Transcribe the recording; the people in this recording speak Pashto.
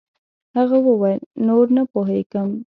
هغه وويل نور نه پوهېږم.